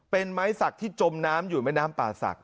เป็นไม้สักที่จมน้ำอยู่แม่น้ำป่าศักดิ